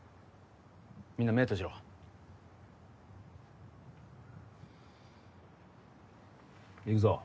みんな目閉じろいくぞ